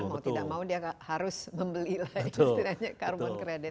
mau tidak mau dia harus membeli lagi carbon credit